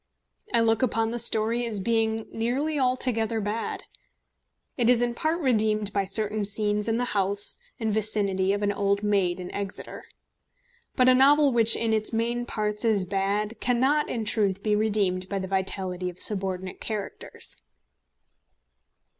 I look upon the story as being nearly altogether bad. It is in part redeemed by certain scenes in the house and vicinity of an old maid in Exeter. But a novel which in its main parts is bad cannot, in truth, be redeemed by the vitality of subordinate characters.